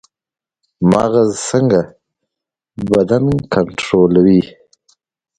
مغز څنګه بدن کنټرولوي؟